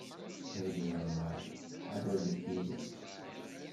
Saɛid Waɛmaṛ, ḥader deffir-k!